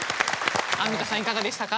アンミカさんいかがでしたか？